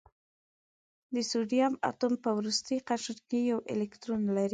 د سوډیم اتوم په وروستي قشر کې یو الکترون لري.